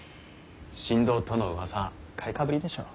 神童とのうわさ買いかぶりでしょう。